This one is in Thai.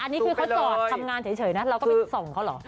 อันนี้คือเขาจอดทำงานเฉยนะเราก็ไปส่องเขาเหรอ